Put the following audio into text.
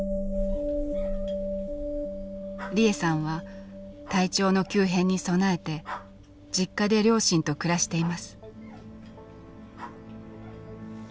利枝さんは体調の急変に備えて実家で両親と暮らしています。